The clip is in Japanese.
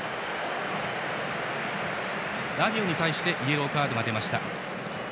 ラビオに対してイエローカードが出ました。